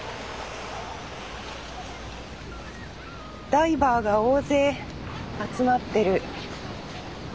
ダイバーが大勢集まってる。